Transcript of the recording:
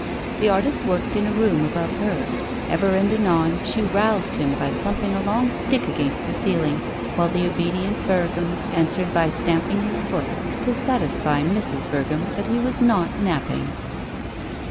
The artist worked in a room above her; ever and anon she roused him by thumping a long stick against the ceiling, while the obedient Berghem answered by stamping his foot, to satisfy Mrs. Berghem that he was not napping.